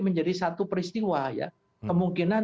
menjadi satu peristiwa ya kemungkinan